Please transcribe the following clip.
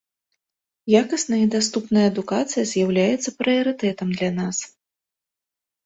Якасная і даступная адукацыя з'яўляецца прыярытэтам для нас.